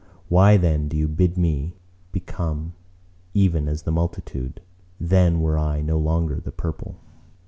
Why then do you bid me become even as the multitude? Then were I no longer the purple."